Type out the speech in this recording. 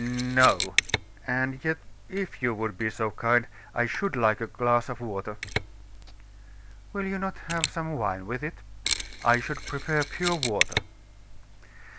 "No and yet if you would be so kind I should like a glass of water." "Will you not have some wine with it?" "I should prefer pure water."